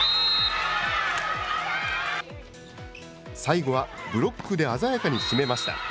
最後はブロックで鮮やかに締めました。